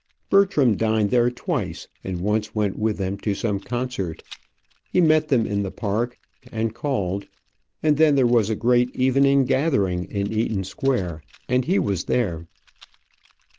Bertram dined there twice, and once went with them to some concert. He met them in the Park, and called; and then there was a great evening gathering in Eaton Square, and he was there.